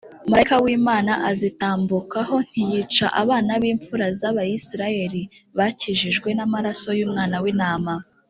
Malayika w'Imana azitambuka ho, ntiyica abana b'imfura z'Abisirayeli Bakijijwe ,n'amaraso y'umwana w'intama